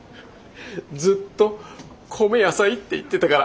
ずっと「米野菜」って言ってたから。